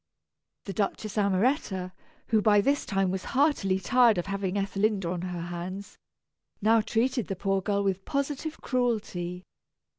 The Duchess Amoretta, who by this time was heartily tired of having Ethelinda on her hands, now treated the poor girl with positive cruelty.